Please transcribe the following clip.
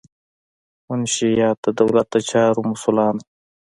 منشیان د دولت د چارو مسؤلان وو.